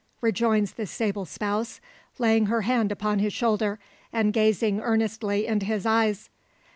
rejoins the sable spouse, laying her hand upon his shoulder, and gazing earnestly into his eyes.